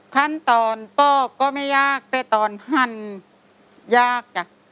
ขั้นตอนปอกก็ไม่ยากแต่ตอนหั่นยากจ้ะ